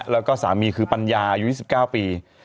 แล้วก็สามีคือปัญญาอายุ๒๙ปี